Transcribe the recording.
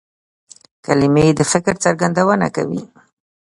کلیمه د فکر څرګندونه کوي.